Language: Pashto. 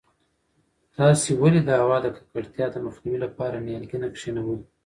تاسې ولې د هوا د ککړتیا د مخنیوي لپاره نیالګي نه کښېنوئ؟